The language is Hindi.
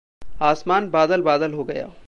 आसमान बादल-बादल हो गया।